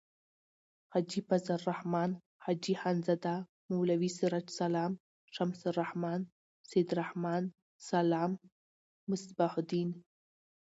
حاجی فضل الرحمن. حاجی خانزاده. مولوی سراج السلام. شمس الرحمن. سعیدالرحمن.سلام.مصباح الدین